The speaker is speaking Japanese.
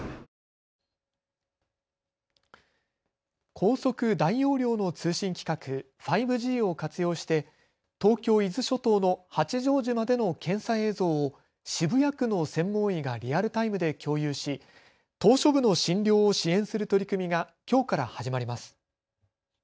高速・大容量の通信規格、５Ｇを活用して東京伊豆諸島の八丈島での検査映像を渋谷区の専門医がリアルタイムで共有し島しょ部の診療を支援する取り組みがきょうから始まります。